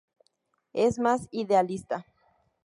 Es más idealista.